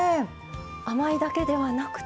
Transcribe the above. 甘いだけではなくて。